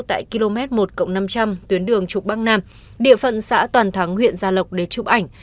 tại km một năm trăm linh tuyến đường trục bắc nam địa phận xã toàn thắng huyện gia lộc để chụp ảnh